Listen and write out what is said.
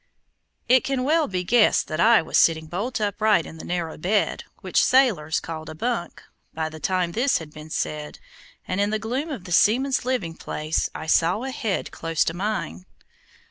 It can well be guessed that I was sitting bolt upright in the narrow bed, which sailors call a bunk, by the time this had been said, and in the gloom of the seamen's living place I saw a head close to mine.